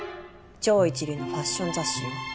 超一流のファッション雑誌よ。